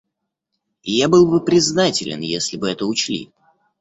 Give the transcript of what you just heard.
Я был бы признателен, если бы это учли.